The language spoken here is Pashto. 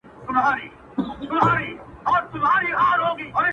توري ورځي سپیني شپې مي نصیب راکړې،